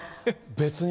別に。